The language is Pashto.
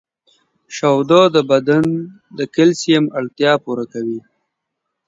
• شیدې د بدن د کلسیم اړتیا پوره کوي.